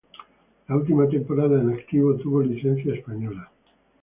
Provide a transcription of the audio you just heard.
La última temporada en activo tuvo licencia española.